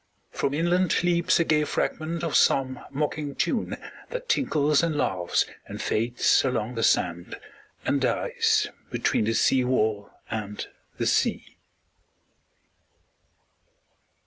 From inland Leaps a gay fragment of some mocking tune, That tinkles and laughs and fades along the sand, And dies between the seawall and the sea.